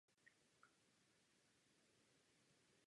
Proč nám nepovíte, jaký je názor diplomatů v Radě?